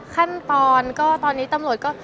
ขั้นตอนก็ตอนนี้ตำรวจก็